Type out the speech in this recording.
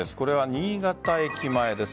新潟駅前です。